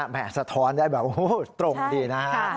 สะท้อนได้แบบตรงดีนะฮะ